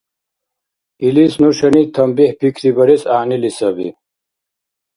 Илис нушани танбихӀ пикрибарес гӀягӀнили саби.